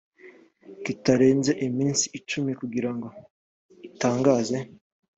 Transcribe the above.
kitarenze iminsi cumi kugira ngo itangaze